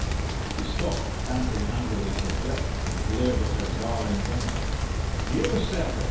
She stopped, panting angrily for breath, and glared at her darling's enemy. "Your servant!"